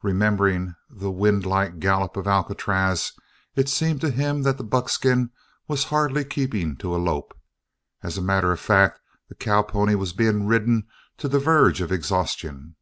Remembering the windlike gallop of Alcatraz, it seemed to him that the buckskin was hardly keeping to a lope as a matter of fact the cow pony was being ridden to the verge of exhaustion.